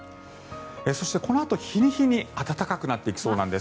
そして、このあと日に日に暖かくなっていくそうなんです。